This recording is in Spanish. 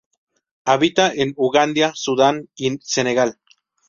Habita en Uganda, Sudán y Senegal.